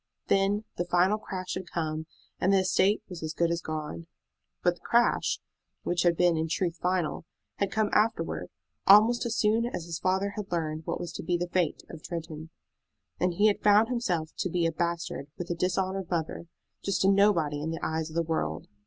Then the final crash had come, and the estate was as good as gone. But the crash, which had been in truth final, had come afterward, almost as soon as his father had learned what was to be the fate of Tretton; and he had found himself to be a bastard with a dishonored mother, just a nobody in the eyes of the world.